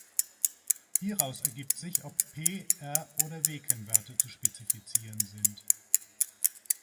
Hieraus ergibt sich, ob „P“, „R“ oder „W“-Kennwerte zu spezifizieren sind.